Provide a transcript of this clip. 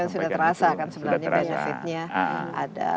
dan sudah terasa kan sebelumnya penyelesaiannya ada